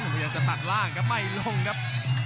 พยายามจะตัดล่างครับไม่ลงครับ